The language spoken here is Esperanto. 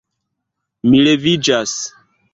Mi leviĝas.